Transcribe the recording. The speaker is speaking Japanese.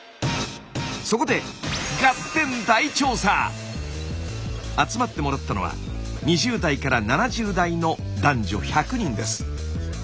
そこで集まってもらったのは２０代から７０代の男女１００人です。